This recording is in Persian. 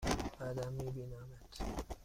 بعدا می بینمت!